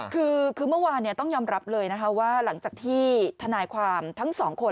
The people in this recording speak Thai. คือเมื่อวานต้องยอมรับเลยนะคะว่าหลังจากที่ทนายความทั้งสองคน